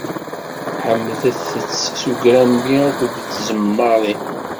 Ḥemdet- t s ugrambi akked tẓemmarin!